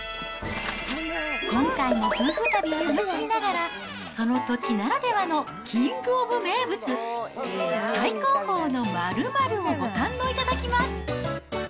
今回も夫婦旅を楽しみながら、その土地ならではのキングオブ名物、最高峰の○○をご堪能いただきます。